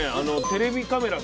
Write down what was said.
テレビカメラ